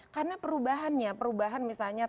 karena perubahannya perubahan misalnya